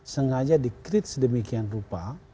sengaja dikrit sedemikian rupa